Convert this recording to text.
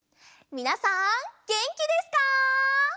みなさんげんきですか？